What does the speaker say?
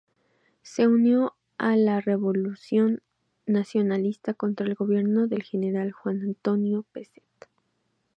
Se unió al la revolución nacionalista contra el gobierno del general Juan Antonio Pezet.